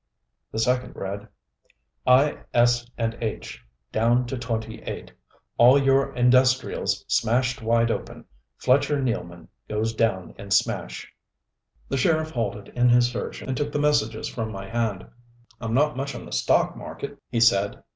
The second read: I. S. AND H. DOWN TO 28. ALL YOUR INDUSTRIALS SMASHED WIDE OPEN. FLETCHER NEALMAN GOES DOWN IN SMASH. The sheriff halted in his search and took the messages from my hand. "I'm not much up on the stock market," he said.